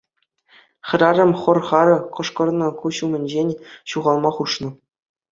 Хӗрарӑм хӑр-хар кӑшкӑрнӑ, куҫ умӗнчен ҫухалма хушнӑ.